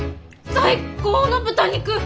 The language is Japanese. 最高の豚肉！